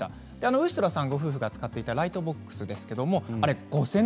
ウーシタロさんご夫婦が使っていたライトボックス５０００